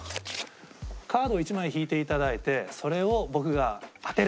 カードを１枚引いていただいてそれを僕が当てる。